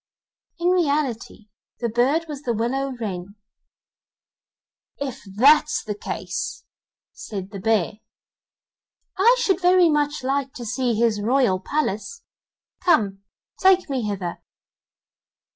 In reality the bird was the willow wren. 'IF that's the case,' said the bear, 'I should very much like to see his royal palace; come, take me thither.